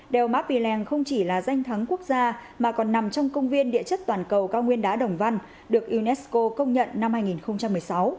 đèo mappyland không chỉ là danh thắng quốc gia mà còn nằm trong công viên địa chất toàn cầu cao nguyên đá đồng văn được unesco công nhận năm hai nghìn một mươi sáu